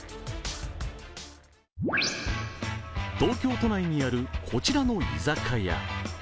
東京都内にあるこちらの居酒屋。